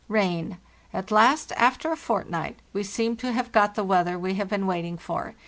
Rain. At last, after a fortnight, we seem to have got the weather we have been waiting for.